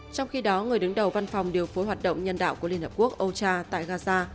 trong khi đó người đứng đầu văn phòng điều phối hoạt động nhân đạo của liên hợp quốc ocha tại gaza